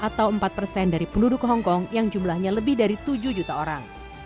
atau empat dari penduduk hong kong yang jumlahnya lebih dari tujuh juta orang